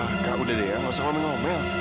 nah kak udah deh ya gak usah ngomel ngomel mil